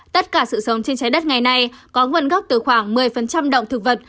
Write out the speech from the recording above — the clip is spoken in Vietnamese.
tất cả sự sống trên trái đất ngày nay có nguồn gốc từ khoảng một mươi động thực vật